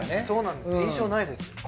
そうなんです印象ないです。